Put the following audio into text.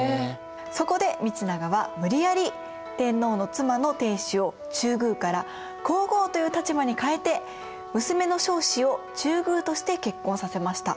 そこで道長は無理やり天皇の妻の定子を中宮から皇后という立場に変えて娘の彰子を中宮として結婚させました。